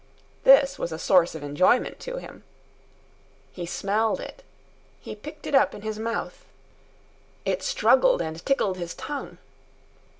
This was a source of enjoyment to him. He smelled it. He picked it up in his mouth. It struggled and tickled his tongue.